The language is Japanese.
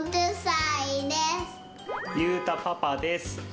ゆうたパパです。